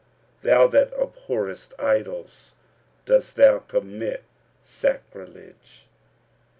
thou that abhorrest idols, dost thou commit sacrilege?